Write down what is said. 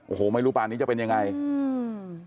โอ้โหไม่รู้ป่านี้จะเป็นยังไงอืม